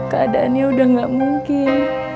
keadaannya udah gak mungkin